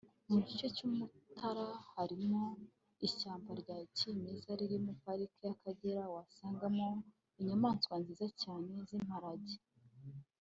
mu gice cy’umutara harimo ishyamba rya kimeza ririmo parike y’Akagera wasangagamo inyamaswa nziza cyane z’Imparage